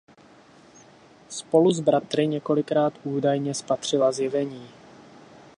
Spolu s bratry několikrát údajně spatřila zjevení.